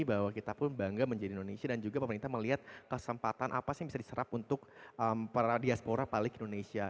bahwa kita pun bangga menjadi indonesia dan juga pemerintah melihat kesempatan apa sih yang bisa diserap untuk para diaspora palik indonesia